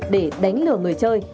để đánh lừa người chơi